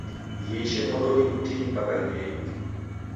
Ghiishe modonyi kutini mpaka ghiyeyuke.